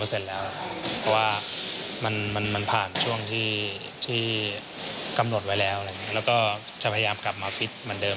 เพราะว่ามันผ่านช่วงที่กำหนดไว้แล้วอะไรอย่างนี้แล้วก็จะพยายามกลับมาฟิตเหมือนเดิม